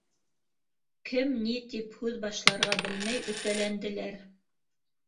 Кем ни тип һүҙ башларға белмәй өтәләнделәр.